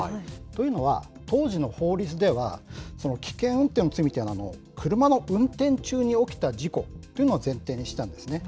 というのは、当時の法律では危険運転の罪というのは、車の運転中に起きた事故というのを前提にしてたんですね。